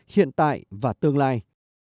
hiện tại và tương lai